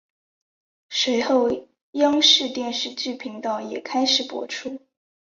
随后央视电视剧频道也开始播出。